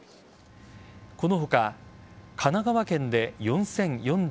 この他、神奈川県で４０４８人